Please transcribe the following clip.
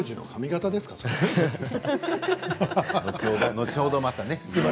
後ほど、またね。